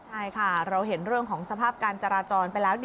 ใช่ค่ะเราเห็นเรื่องของสภาพการจราจรไปแล้ว